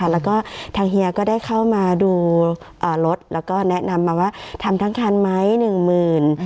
แล้วก็ทางเฮียก็ได้เข้ามาดูรถแล้วก็แนะนำมาว่าทำทั้งคันไหมหนึ่งหมื่น